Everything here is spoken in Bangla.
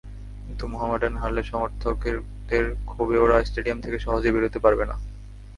কিন্তু মোহামেডান হারলে সমর্থকদের ক্ষোভে ওরা স্টেডিয়াম থেকে সহজে বেরোতে পারবে না।